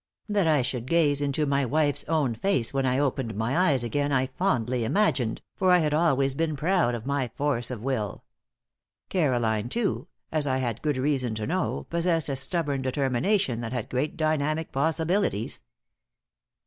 That I should gaze into my wife's own face when I opened my eyes again I fondly imagined, for I had always been proud of my force of will. Caroline, too as I had good reason to know possessed a stubborn determination that had great dynamic possibilities.